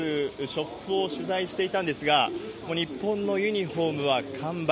ショップを取材していたんですが、もう日本のユニホームは完売。